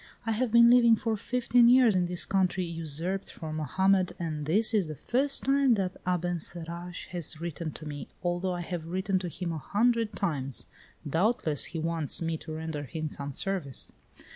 I have been living for fifteen years in this country usurped from Mohammed, and this is the first time that Abencerrage has written to me, although I have written to him a hundred times. Doubtless he wants me to render him some service."